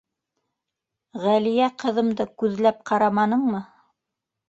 -Ғәлиә ҡыҙымды күҙләп ҡараманыңмы?